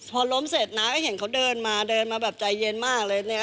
พอล้มเสร็จน้าก็เห็นเขาเดินมาเดินมาแบบใจเย็นมากเลยเนี่ย